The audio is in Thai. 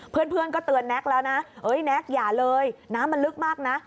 เพื่อนก็เตือนแน็กแล้วนะแน็กอย่าเลยน้ำมันลึกมากนะ